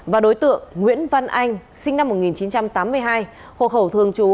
và đối tượng nguyễn văn anh sinh năm một nghìn chín trăm tám mươi hai hộ khẩu thường trú